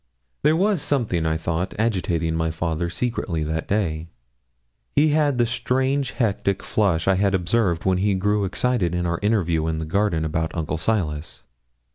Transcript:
There was something, I thought, agitating my father secretly that day. He had the strange hectic flush I had observed when he grew excited in our interview in the garden about Uncle Silas.